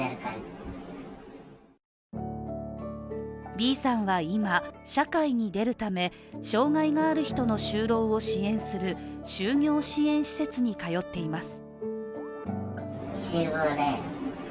Ｂさんは今、社会に出るため障害がある人の就労を支援する就業支援施設に通っています。